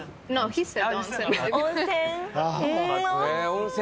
温泉？